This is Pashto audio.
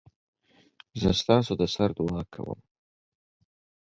زه ستاسودسر دعاکوم